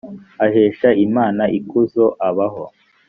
aheshe imana ikuzo abaho